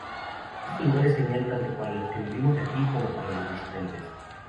Este lugar es genial tanto para los que vivimos aquí como para los visitantes".